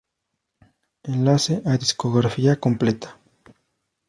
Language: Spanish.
Enlace a discografía completa